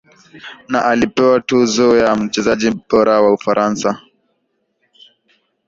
Na alipewa tuzo ya mchezaji bora wa Ufaransa